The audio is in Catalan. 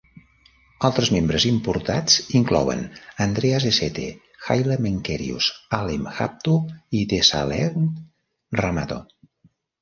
Altres membres importats inclouen Andreas Eshete, Haile Menkerios, Alem Habtu, i Dessalegn Rahmato.